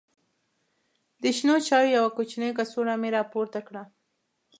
د شنو چایو یوه کوچنۍ کڅوړه مې راپورته کړه.